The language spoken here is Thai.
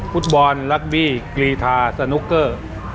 ฟุตบอลลักบี้กรีธาสนุกเกอร์